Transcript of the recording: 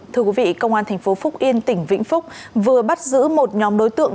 thưa quý vị công an tp phúc yên tỉnh vĩnh phúc vừa bắt giữ một nhóm đối tượng